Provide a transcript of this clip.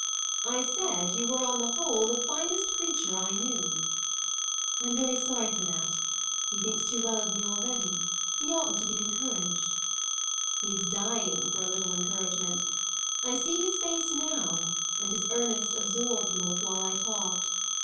"I said you were on the whole the finest creature I know." "I'm very sorry for that. He thinks too well of me already; he oughtn't to be encouraged." "He's dying for a little encouragement. I see his face now, and his earnest absorbed look while I talked.